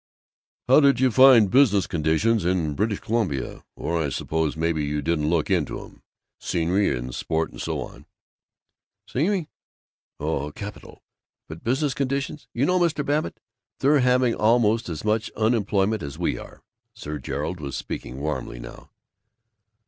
"How did you find business conditions in British Columbia? Or I suppose maybe you didn't look into 'em. Scenery and sport and so on?" "Scenery? Oh, capital. But business conditions You know, Mr. Babbitt, they're having almost as much unemployment as we are." Sir Gerald was speaking warmly now.